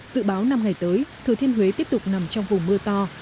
dự báo năm ngày tới thừa thiên huế tiếp tục nằm trong vùng mưa to